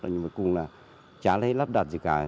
nhưng mà cùng là chả lấy lắp đặt gì cả